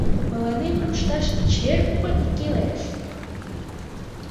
Мыланем рушташ черпыт кӱлеш!